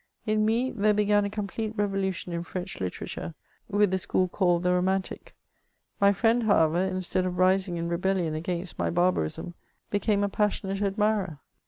In me, there began a complete revolution in French literature, with the school called ^tte romantic : my friend, however, instead of rising in rebdlion against my barbarism, became a pasraonate admirer.